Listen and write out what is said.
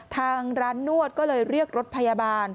ทางร้านนวดก็เลยเรียกรถพยาบาล